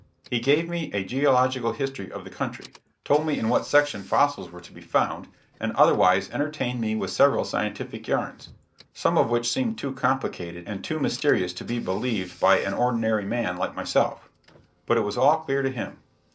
He gave me a geological history of the country; told me in what section fossils were to be found; and otherwise entertained me with several scientific yarns, some of which seemed too complicated and too mysterious to be believed by an ordinary man like myself; but it was all clear to him.